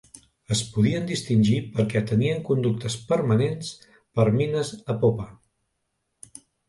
Es podien distingir perquè tenien conductes permanents per a mines a popa.